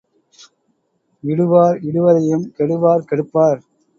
இடுவார் இடுவதையும் கெடுவார் கெடுப்பார்.